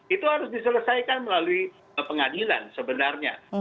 itu harus diselesaikan melalui pengadilan sebenarnya